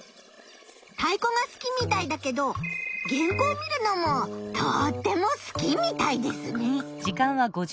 太鼓が好きみたいだけど原稿見るのもとっても好きみたいですね。